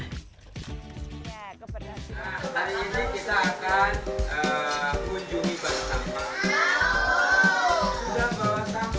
hari ini kita akan kunjungi bang sampah